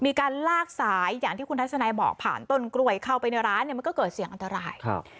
มีการลากสายอย่างที่คุณทัศนายบอกผ่านต้นกล้วยเข้าไปในร้านเนี่ยมันก็เกิดเสียงอันตรายครับ